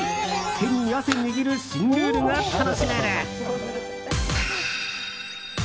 手に汗握る新ルールが楽しめる。